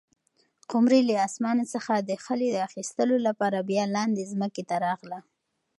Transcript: قمرۍ له اسمانه څخه د خلي د اخیستلو لپاره بیا لاندې ځمکې ته راغله.